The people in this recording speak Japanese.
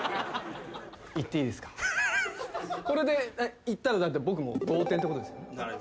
これでいったら僕も同点ってことですよね。